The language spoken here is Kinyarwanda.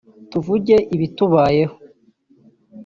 tuvuge ibitubayeho